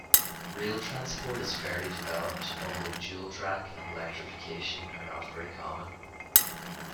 Rail transport is fairly developed, although dual track and electrification are not very common.